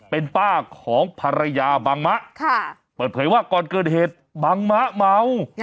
เป็นป้าของภรรยาบังมะเปิดเผยว่าก่อนเกิดเหตุบังมะเมา